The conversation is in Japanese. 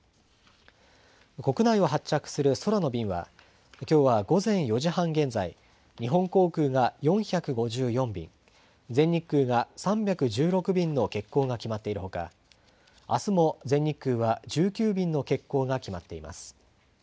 国内を発着する空の便は、きょうは午前４時半現在、日本航空が４５４便、全日空が３１６便の欠航が決まっているほか、あすも全日空は１９便の欠航が決まっています。